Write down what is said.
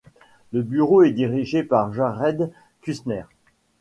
Le Bureau est dirigé par Jared Kushner.